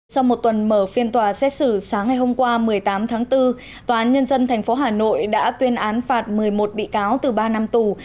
sau một tuần mở phiên tòa xét xử sáng ngày hôm qua một mươi tám tháng bốn tòa án nhân dân tp hà nội đã tuyên án phạt một mươi một bị cáo từ ba năm tù